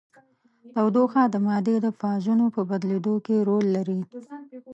تودوخه د مادې د فازونو په بدلیدو کې رول لري.